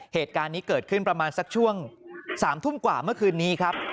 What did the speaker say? เหตุการณ์นี้เกิดขึ้นประมาณสักช่วง๓ทุ่มกว่าเมื่อคืนนี้ครับ